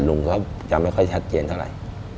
ลุงก็ไม่ค่อยชัดเจนเท่าไร